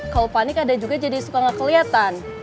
kalo panik ada juga jadi suka gak keliatan